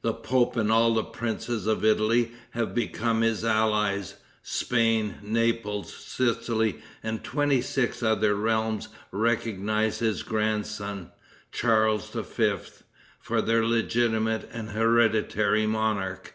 The pope and all the princes of Italy have become his allies. Spain, Naples, Sicily and twenty six other realms recognize his grandson, Charles V., for their legitimate and hereditary monarch.